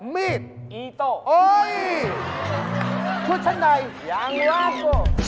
มีดโอ๊ยชุดชั้นใดยังรัก